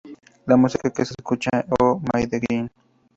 La música que se escucha es "Oh My" de Gin.